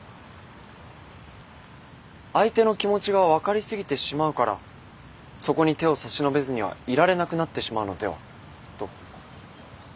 相手の気持ちが分かり過ぎてしまうからそこに手を差し伸べずにはいられなくなってしまうのではと。